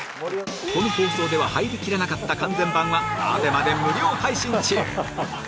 この放送では入りきらなかった完全版はアベマで無料配信中！